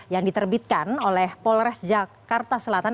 yang diterbitkan oleh polres jakarta selatan